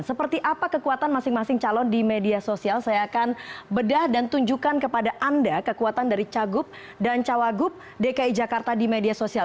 seperti apa kekuatan masing masing calon di media sosial saya akan bedah dan tunjukkan kepada anda kekuatan dari cagup dan cawagup dki jakarta di media sosial